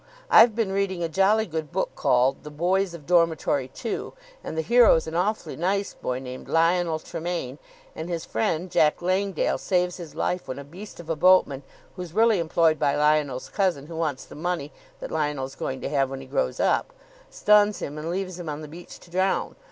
I've been reading a jolly good book called 'The Boys of Dormitory Two,' and the hero's an awfully nice boy named Lionel Tremayne, and his friend Jack Langdale saves his life when a beast of a boatman who's really employed by Lionel's cousin who wants the money that Lionel's going to have when he grows up stuns him and leaves him on the beach to drown.